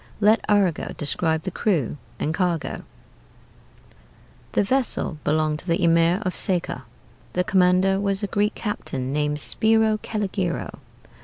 Let Arago describe the crew and cargo: "The vessel belonged to the Emir of Seca. The commander was a Greek captain named Spiro Calligero.